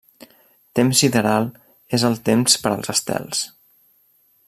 Temps sideral és el temps per als estels.